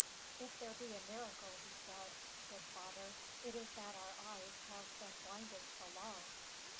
"If there be a miracle," he said, "good father, it is that our eyes have been blinded so long.